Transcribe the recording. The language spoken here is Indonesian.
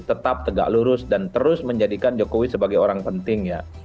tetap tegak lurus dan terus menjadikan jokowi sebagai orang penting ya